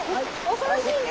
恐ろしいね！